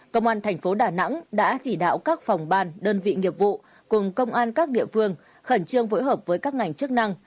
công an thành phố đà nẵng đã chỉ đạo các phòng ban đơn vị nghiệp vụ cùng công an các địa phương khẩn trương phối hợp với các ngành chức năng